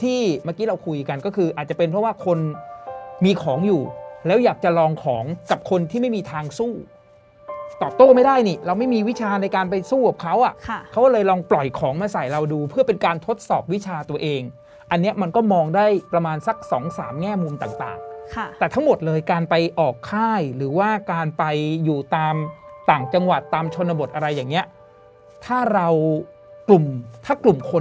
เมื่อกี้เราคุยกันก็คืออาจจะเป็นเพราะว่าคนมีของอยู่แล้วอยากจะลองของกับคนที่ไม่มีทางสู้ตอบโต้ไม่ได้นี่เราไม่มีวิชาในการไปสู้กับเขาอ่ะเขาเลยลองปล่อยของมาใส่เราดูเพื่อเป็นการทดสอบวิชาตัวเองอันนี้มันก็มองได้ประมาณสักสองสามแง่มุมต่างแต่ทั้งหมดเลยการไปออกค่ายหรือว่าการไปอยู่ตามต่างจังหวัดตามชนบทอะไรอย่างนี้ถ้าเรากลุ่มถ้ากลุ่มคน